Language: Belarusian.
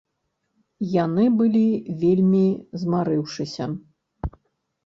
Яны былі вельмі змарыўшыся.